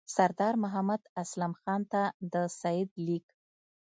سردار محمد اسلم خان ته د سید لیک.